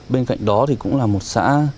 bên cạnh đó thì cũng là một xã